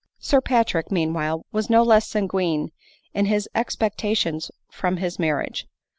Sir Patrick, meanwhile, was no less sanguine in his 6x» pectations from his marriage.